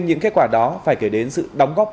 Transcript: những kết quả đó phải kể đến sự đóng góp